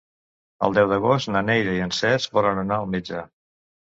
El deu d'agost na Neida i en Cesc volen anar al metge.